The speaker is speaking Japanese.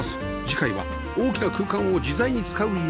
次回は大きな空間を自在に使う家